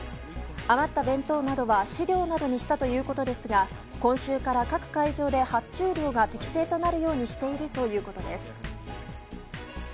余った弁当などは飼料などにしたということですが今週から各会場で発注量が適正となるようにしているということです。